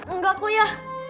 enggak kok ya